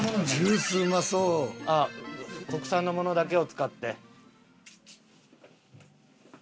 あっ国産のものだけを使って。